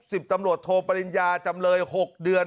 สิบตำรวจโทปริญญาจำเลย๖เดือน